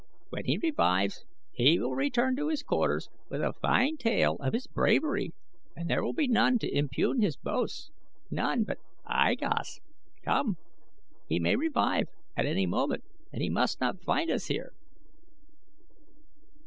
When he revives he will return to his quarters with a fine tale of his bravery and there will be none to impugn his boasts none but I Gos. Come! he may revive at any moment and he must not find us here."